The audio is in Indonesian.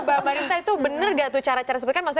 marita itu bener gak tuh cara cara seperti itu